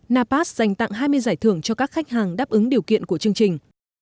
napas dành tặng hai mươi giải thưởng cho các khách hàng đáp ứng điều kiện của chương trình